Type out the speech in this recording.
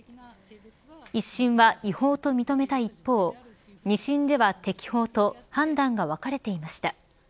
一審は、違法と認めた一方二審では適法と判断が分かれていました。